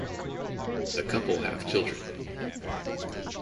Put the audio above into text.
The couple have children.